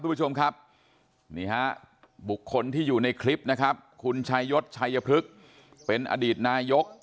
คุณผู้ชมครับนี่ฮะบุคคลที่อยู่ในคลิปนะครับคุณชายศชัยพฤกษ์เป็นอดีตนายก